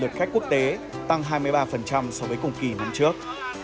một trăm tám mươi lượt khách quốc tế tăng hai mươi ba so với cùng kỳ năm trước